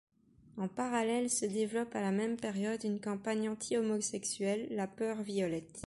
En parallèle se développe à la même période une campagne anti-homosexuelle, la peur violette.